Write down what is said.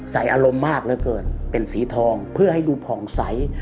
ใส่อารมณ์มากเหลือเกินเป็นสีทองเพื่อให้ดูผ่องใส